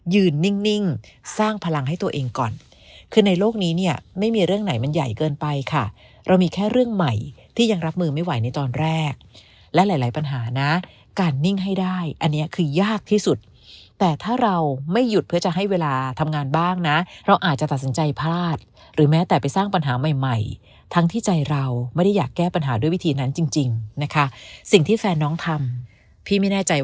ยืนนิ่งสร้างพลังให้ตัวเองก่อนคือในโลกนี้เนี่ยไม่มีเรื่องไหนมันใหญ่เกินไปค่ะเรามีแค่เรื่องใหม่ที่ยังรับมือไม่ไหวในตอนแรกและหลายปัญหานะการนิ่งให้ได้อันนี้คือยากที่สุดแต่ถ้าเราไม่หยุดเพื่อจะให้เวลาทำงานบ้างนะเราอาจจะตัดสินใจพลาดหรือแม้แต่ไปสร้างปัญหาใหม่ทั้งที่ใจเราไม่ได้อยากแก้ปั